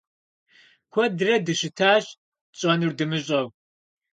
Куэдрэ дыщытащ, тщӀэнур дымыщӀэу.